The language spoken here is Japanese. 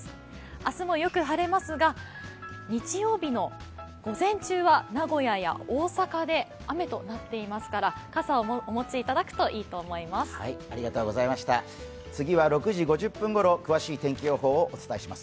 明日もよく晴れますが、日曜日の午前中は名古屋や大阪で雨となっていますから傘をお持ちいただくといいと思います。